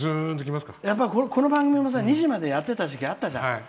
この番組も２時までやってた時期あったじゃん。